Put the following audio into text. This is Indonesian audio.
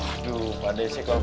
aduh pak de se kalau makan